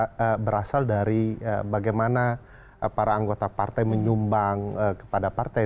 uang itu bukan berasal dari bagaimana para anggota partai menyumbang kepada partai